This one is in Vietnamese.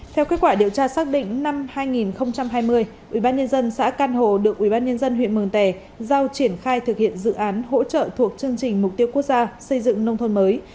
theo kết quả điều tra xác định năm hai nghìn hai mươi ubnd xã can hồ được ubnd huyện mường tè giao triển khai thực hiện dự án hỗ trợ thuộc chương trình mục tiêu quốc gia xây dựng nông thôn mới